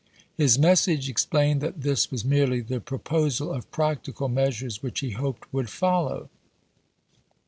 His message explained that this was merely the pro posal of practical measui'es which he hoped would follow.